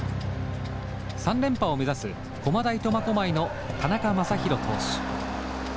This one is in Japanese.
３連覇を目指す駒大苫小牧の田中将大投手。